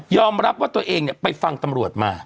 รับว่าตัวเองไปฟังตำรวจมา